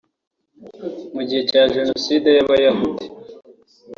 Mu gihe cya Jenoside y’abayahudi